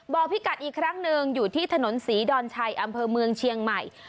พี่กัดอีกครั้งหนึ่งอยู่ที่ถนนศรีดอนชัยอำเภอเมืองเชียงใหม่